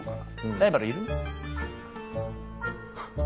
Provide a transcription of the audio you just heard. ライバルいる？